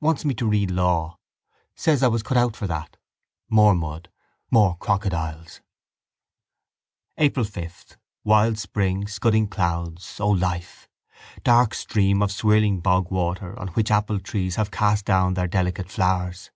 Wants me to read law. Says I was cut out for that. More mud, more crocodiles. April 5. Wild spring. Scudding clouds. O life! Dark stream of swirling bogwater on which appletrees have cast down their delicate flowers.